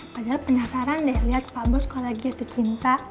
padahal penasaran deh liat pak bos kalo lagi yaitu cinta